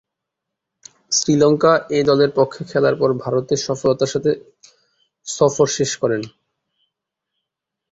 Sri Lanka A দলের পক্ষে খেলার পর ভারতে সফলতার সাথে সফর শেষ করেন।